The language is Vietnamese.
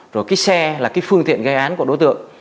rồi cái xe là cái phương tiện ghi gán của đối tượng